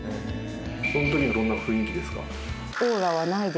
その時どんな雰囲気ですか？